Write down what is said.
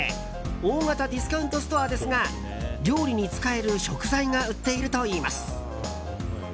大型ディスカウントストアですが料理に使える食材が売っているといいます。